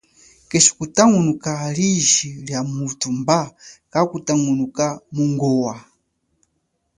Keshi kutangunuka liji lia muthu, mba kakutangunuka mungowa.